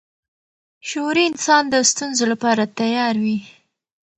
شعوري انسان د ستونزو لپاره تیار وي.